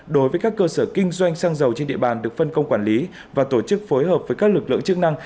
đối với các cơ sở kinh doanh xăng dầu trên địa bàn được phân công quản lý và tổ chức phối hợp với các lực lượng chức năng